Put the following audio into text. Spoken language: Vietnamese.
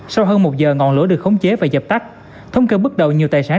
sau hơn một giờ ngọn lỗ được khống chế và dập tắt thông kêu bước đầu nhiều tài sản